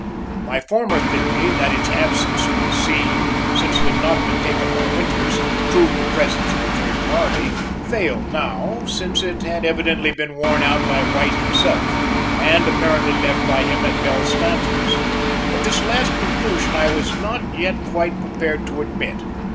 My former theory that its absence from the scene since it had not been taken by Winters proved the presence of a third party, failed now since it had evidently been worn out by White himself, and apparently left by him at Belle Stanton's; but this last conclusion I was not yet quite prepared to admit.